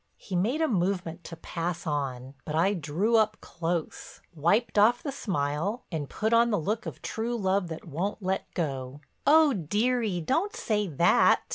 He made a movement to pass on, but I drew up close, wiped off the smile, and put on the look of true love that won't let go. "Oh, dearie, don't say that.